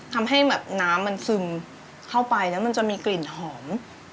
ทำให้แบบน้ำมันซึมเข้าไปแล้วมันจะมีกลิ่นหอม